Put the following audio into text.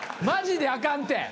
マジであかんって。